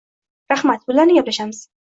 rahmat, bularni gaplashamiz.